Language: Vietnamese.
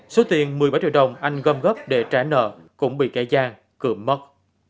số tiền một mươi bảy triệu đồng anh gom gấp để trả nợ cũng bị kẻ gian cưỡng mất